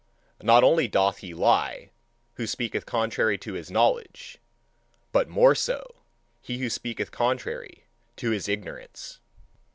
Not only doth he lie, who speaketh contrary to his knowledge, but more so, he who speaketh contrary to his ignorance.